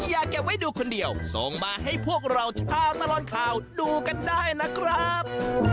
อย่าเก็บไว้ดูคนเดียวส่งมาให้พวกเราชาวตลอดข่าวดูกันได้นะครับ